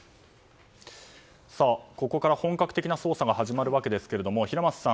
ここから本格的な捜査が始まるわけですが、平松さん